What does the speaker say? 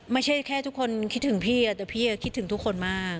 ไม่ใช่แค่ทุกคนคิดถึงพี่แต่พี่คิดถึงทุกคนมาก